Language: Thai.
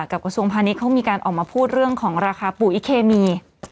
กระทรวงพาณิชย์เขามีการออกมาพูดเรื่องของราคาปุ๋ยเคมี